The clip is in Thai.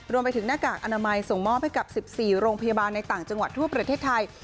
รวมไปถึงหน้ากากอนามัยส่งมอบให้กับ๑๔โรงพยาบาลในต่างจังหวัดทั่วประเทศไทย